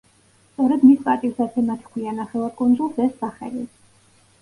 სწორედ მის პატივსაცემად ჰქვია ნახევარკუნძულს ეს სახელი.